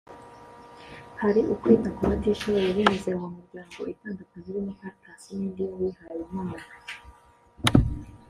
hari ukwita ku batishoboye binyuze mu miryango itandukanye irimo Cartas n’indi y’abihayimana